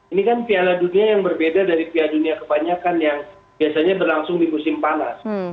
ini kan piala dunia yang berbeda dari piala dunia kebanyakan yang biasanya berlangsung di musim panas